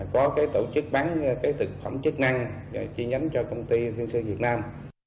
có cái tổ chức bán cái thực phẩm chức năng chi nhánh cho công ty thiên sư việt nam